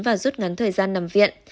và rút ngắn thời gian nằm viện